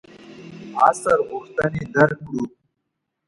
عصر غوښتنې درک کړو.